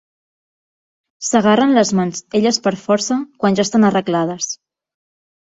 S’agarren les mans elles per fer força quan ja estan arreglades.